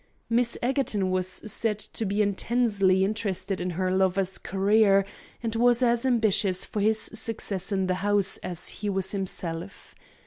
Miss Egerton was said to be intensely interested in her lover's career, and was as ambitious for his success in the House as he was himself.